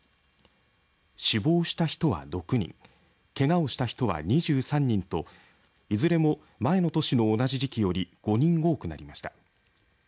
死亡した人は６人けがをした人は２３人といずれも前の年の同じ時期より５人多くなりました。